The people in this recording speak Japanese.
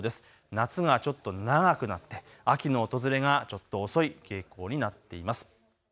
夏がちょっと長くなって秋の訪れがちょっと遅い傾向になっています。